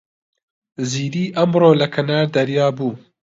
زیری ئەمڕۆ لە کەنار دەریا بوو.